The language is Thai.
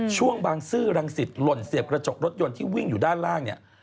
ช่วงบางซื่อรังสิตหล่นเสียบกระจกรถยนต์ที่วิ่งอยู่ด้านล่างเนี่ย